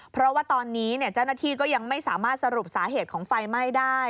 เพราะว่าตอนนี้เจ้าหน้าที่ก็ยังไม่สามารถสรุปสาเหตุของไฟไหม้ได้